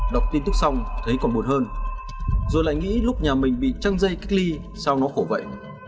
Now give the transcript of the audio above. đọc tin tức xong thấy còn buồn hơn rồi lại nghĩ lúc nhà mình bị trăng dây kích ly sao nó khổ vậy